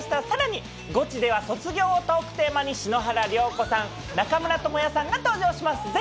さらにゴチでは卒業をトークテーマに篠原涼子さん、中村倫也さんが登場します。